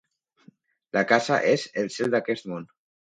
La casa és el cel d'aquest món.